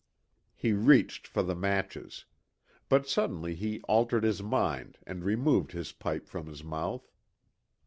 He reached for the matches. But suddenly he altered his mind and removed his pipe from his mouth.